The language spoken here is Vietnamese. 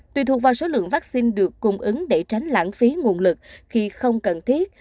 tùy thuộc vào số lượng vaccine được cung ứng để tránh lãng phí nguồn lực khi không cần thiết